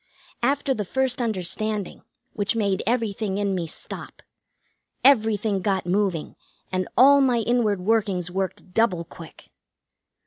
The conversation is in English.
After the first understanding, which made everything in me stop, everything got moving, and all my inward workings worked double quick.